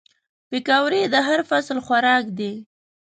پکورې د هر فصل خوراک دي